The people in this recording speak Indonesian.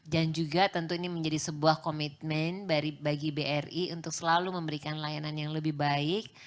dan juga tentu ini menjadi sebuah komitmen bagi bri untuk selalu memberikan layanan yang lebih baik